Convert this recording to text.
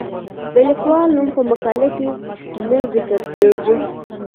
د لیکوال نوم په مقاله کې نه ذکر کیږي.